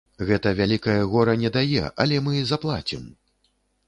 Гэта вялікае гора не дае, але мы заплацім.